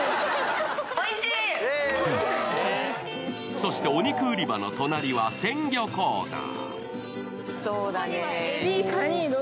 そしてお肉売り場の隣は鮮魚コーナー。